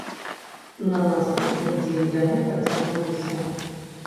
На наступны дзень яны працягнуліся.